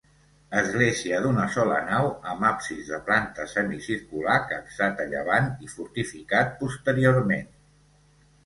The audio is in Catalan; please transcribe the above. Església d'una sola nau amb absis de planta semicircular capçat a llevant i fortificat posteriorment.